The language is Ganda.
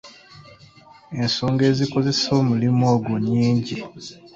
Ensonga ezikozesa omulimu ogwo nnyingi.